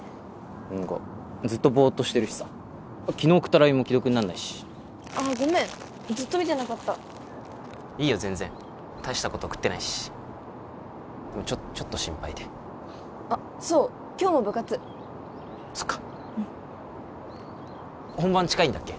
何かずっとボーッとしてるしさ昨日送ったＬＩＮＥも既読になんないしあっごめんずっと見てなかったいいよ全然たいしたこと送ってないしちょっと心配であっそう今日も部活そっか本番近いんだっけ？